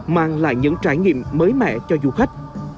mang lại những trải nghiệm mới mẻ cho du khách